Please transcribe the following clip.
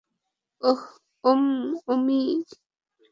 ওম, - ওমি।